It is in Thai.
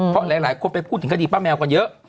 เพราะหลายคนไปพูดถึงคดีป้าแมวกันเยอะ